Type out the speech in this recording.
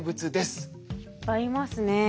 おっいっぱいいますね。